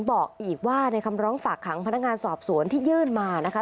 บอกอีกว่าในคำร้องฝากขังพนักงานสอบสวนที่ยื่นมานะคะ